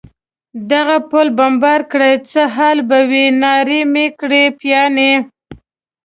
دغه پل بمبار کړي، څه حال به وي؟ نارې مې کړې: پیاني.